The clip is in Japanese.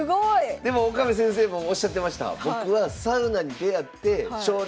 でも岡部先生もおっしゃってました。